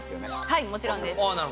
はいもちろんです。